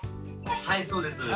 はいそうです。